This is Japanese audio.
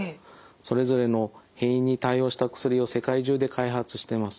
それぞれの変異に対応した薬を世界中で開発しています。